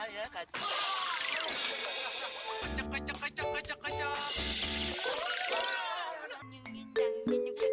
satu dua tiga